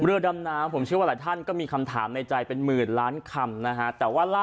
เรือดำน้ำผมเชื่อว่าหลายท่านก็มีคำถามในใจเป็นหมื่นล้านคำนะฮะแต่ว่าล่าสุด